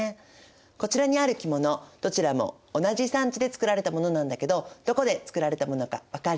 こちらにある着物どちらも同じ産地で作られたものなんだけどどこで作られたものか分かる？